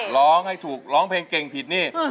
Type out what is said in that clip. ร้องให้ถูกร้องเพลงเก่งผิดนี่